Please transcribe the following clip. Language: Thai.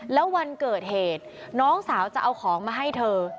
แล้ววันเกิดเหตุน้องสาวจะเอาของมาให้เธอ